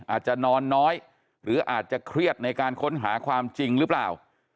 อาจจะนอนน้อยหรืออาจจะเครียดในการค้นหาความจริงหรือเปล่า